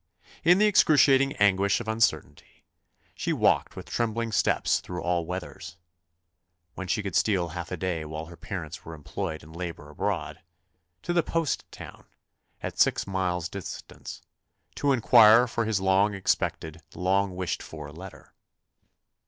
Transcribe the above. In the excruciating anguish of uncertainty, she walked with trembling steps through all weathers (when she could steal half a day while her parents were employed in labour abroad) to the post town, at six miles' distance, to inquire for his long expected, long wished for letter.